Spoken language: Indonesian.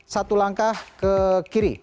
satu langkah ke kiri